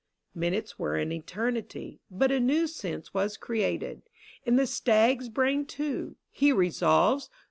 Minutes were an eternity ; But a new sense was created In the stag's brain too ; he resolves